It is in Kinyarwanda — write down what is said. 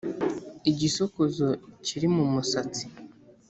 igisokozo kiri mu musatsi